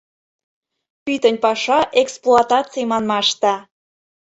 — Пӱтынь паша эксплуатаций манмаште.